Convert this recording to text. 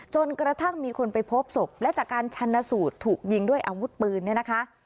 จนกระทั่งมีคนไปพบศพและจากการชันสูตรถูกยิงด้วยอาวุธปืนเนี่ยนะคะ